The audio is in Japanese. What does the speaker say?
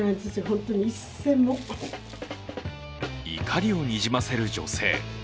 怒りをにじませる女性。